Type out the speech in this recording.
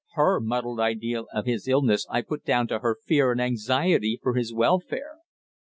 Her muddled idea of his illness I put down to her fear and anxiety for his welfare.